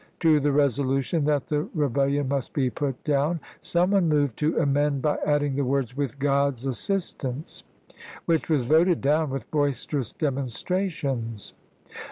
To the resolution that the Rebel lion must be put down, some one moved to amend by adding the words, " with God's assistance," which was voted down with boisterous demonstra tions.